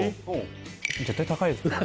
絶対高いですよね・